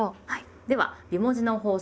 では美文字の法則